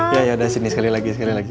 ya ya ya sini sekali lagi sekali lagi